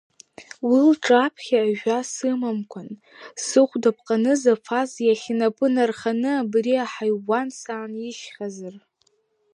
Уи лҿаԥхьа жәа сымамкәан, сыхәда ԥҟаны Зафас иахь инапы нарханы абри аҳаиуан саанижьхьазар.